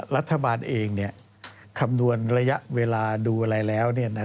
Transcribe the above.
รัฐบาลเองคำนวณระยะเวลาดูอะไรแล้ว